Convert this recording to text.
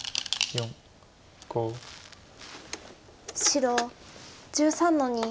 白１３の二ツギ。